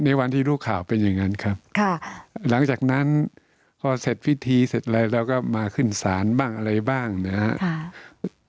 วันที่รู้ข่าวเป็นอย่างนั้นครับค่ะหลังจากนั้นพอเสร็จพิธีเสร็จอะไรเราก็มาขึ้นศาลบ้างอะไรบ้างนะครับ